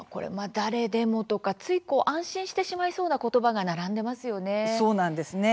誰でもとかつい安心してしまいそうな言葉が並んでますよね。